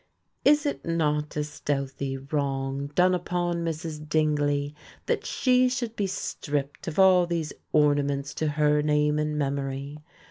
Is it not a stealthy wrong done upon Mrs. Dingley that she should be stripped of all these ornaments to her name and memory?